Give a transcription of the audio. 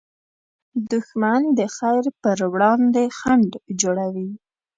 دښمن د خیر پر وړاندې خنډ جوړوي